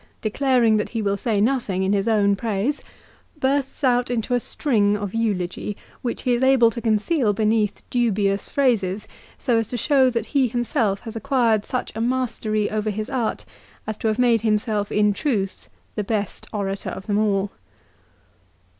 declaring that he will say nothing in his own praise, bursts out into a string of eulogy, which he is able to conceal beneath dubious phrases, so as to show that he himself has acquired such a mastery over his art as to have made himself in truth the best orator of them all.